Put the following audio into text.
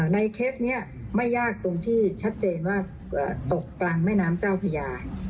เคสนี้ไม่ยากตรงที่ชัดเจนว่าตกกลางแม่น้ำเจ้าพญา